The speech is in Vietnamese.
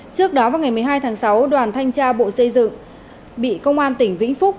trước đó vào ngày một mươi hai tháng sáu đoàn thanh tra bộ xây dựng bị công an tỉnh vĩnh phúc